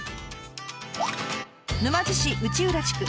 沼津市内浦地区。